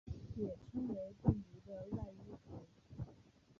也称为病毒的外衣壳。